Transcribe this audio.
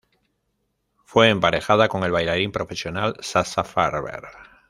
Fue emparejada con el bailarín profesional Sasha Farber.